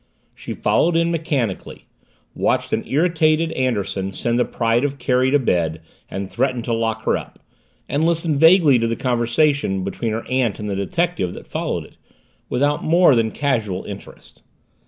She followed in mechanically, watched an irritated Anderson send the Pride of Kerry to bed and threaten to lock her up, and listened vaguely to the conversation between her aunt and the detective that followed it, without more than casual interest.